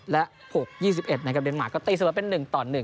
๑๕๒๑และ๖๒๑นะครับเดนมาร์ก็ตีสมบัติเป็น๑ต่อ๑